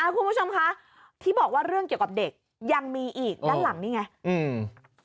คุณผู้ชมคะที่บอกว่าเรื่องเกี่ยวกับเด็กยังมีอีกด้านหลังนี่ไงอืม